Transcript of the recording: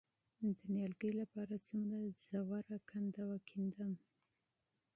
د نیالګي لپاره څومره ژوره کنده وکینم؟